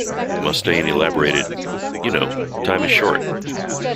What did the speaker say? Mustaine elaborated: You know, time is short.